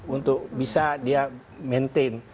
untuk bisa dia maintain